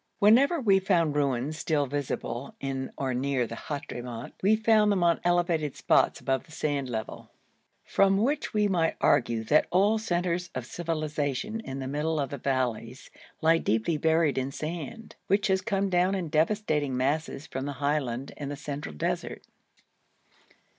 Whenever we found ruins still visible in or near the Hadhramout we found them on elevated spots above the sand level, from which we may argue that all centres of civilisation in the middle of the valleys lie deeply buried in sand, which has come down in devastating masses from the highland and the central desert.